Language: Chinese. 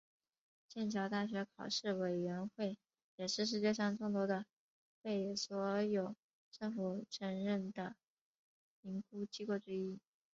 剑桥大学考试委员会也是世界上众多的被所有政府承认的评估机构之一。